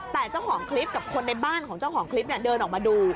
แต่เจ้าของคลิปกับคนในบ้านของเจ้าของคลิปเดินออกมาดู